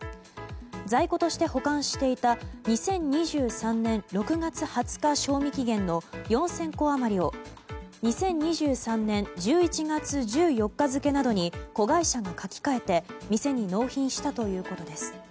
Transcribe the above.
在庫として保管していた２０２３年６月２０日賞味期限の４０００個余りを２０２３年１１月１４日付などに子会社が書き換えて店に納品したということです。